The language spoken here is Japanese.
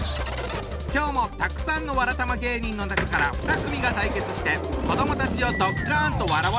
今日もたくさんのわらたま芸人の中から２組が対決して子どもたちをドッカンと笑わせちゃうぞ！